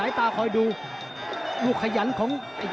ฝ่ายทั้งเมืองนี้มันตีโต้หรืออีโต้